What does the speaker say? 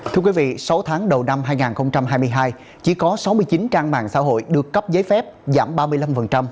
thưa quý vị sáu tháng đầu năm hai nghìn hai mươi hai chỉ có sáu mươi chín trang mạng xã hội được cấp giấy phép giảm ba mươi năm